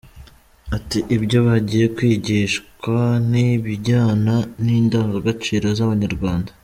Ati "Ibyo bagiye kwigishwa ni ibijyana n’indangagaciro z’Abanyarwanda.